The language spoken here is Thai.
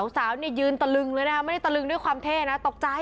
สาวเนี่ยยืนตะลึงเลยนะคะไม่ได้ตะลึงด้วยความเท่นะตกใจ